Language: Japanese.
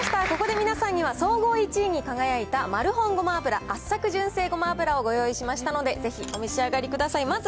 ここで皆さんには、総合１位に輝いたマルホン胡麻油、圧搾純正胡麻油をご用意しましたので、ぜひ、お召し上がりください。